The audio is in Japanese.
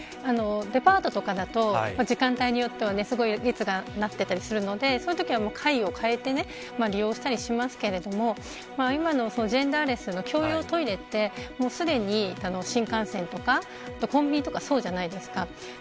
デパートとかだと時間帯によってはすごく列になっていたりするのでその時は階を変えて利用したりしますが今のジェンダーレスの共用トイレはすでに新幹線とかコンビニとかそうじゃないですか。